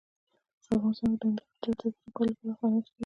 په افغانستان کې د هندوکش د اړتیاوو پوره کولو لپاره اقدامات کېږي.